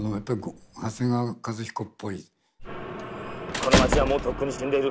この街はもうとっくに死んでる。